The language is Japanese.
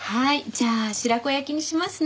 じゃあ白子焼きにしますね。